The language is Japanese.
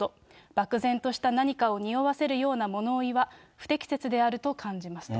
漠然とした何かを匂わせるような物言いは、不適切であると考えます。